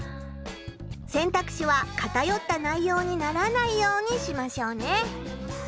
選択肢はかたよった内ようにならないようにしましょうね。